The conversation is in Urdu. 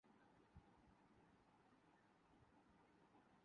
آپ اس طرف کا کبھی قصد نہ کریں ۔